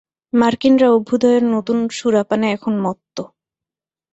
মার্কিনরা অভ্যুদয়ের নূতন সুরাপানে এখন মত্ত।